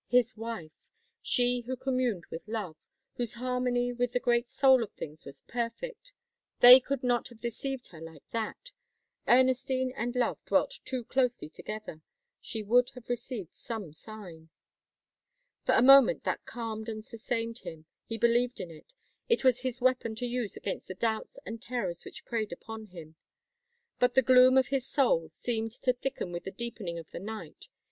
His wife! She who communed with love, whose harmony with the great soul of things was perfect they could not have deceived her like that! Ernestine and love dwelt too closely together. She would have received some sign. For a time that calmed and sustained him; he believed in it; it was his weapon to use against the doubts and terrors which preyed upon him. But the gloom of his soul seemed to thicken with the deepening of the night.